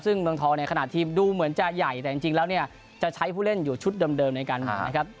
ซึ่งเมืองทองในขณะที่ดูเหมือนจะใหญ่แต่จริงแล้วจะใช้ผู้เล่นอยู่ชุดเดิมในการหมายนะครับ